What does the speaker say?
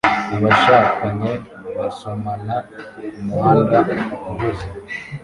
abashakanye basomana kumuhanda uhuze